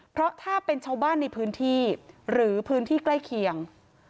เพราะถ้าเป็นชาวบ้านในพื้นที่หรือพื้นที่ใกล้เคียง